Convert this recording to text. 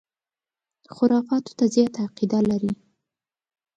خُرافاتو ته زیاته عقیده لري.